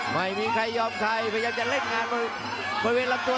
ไม่ยอมใครพยายามจะเล่นงานบริเวณลำตัว